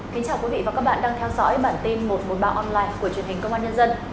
chào mừng quý vị đến với bản tin một trăm một mươi ba online của truyền hình công an nhân dân